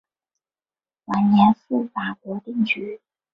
晚年赴法国定居。